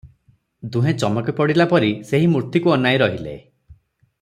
ଦୁହେଁ ଚମକି ପଡିଲାପରି ସେହି ମୂର୍ତ୍ତିକୁ ଅନାଇ ରହିଲେ ।